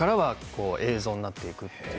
映像になっていく。